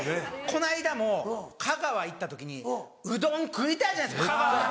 この間も香川行った時にうどん食いたいじゃないですか香川やったら。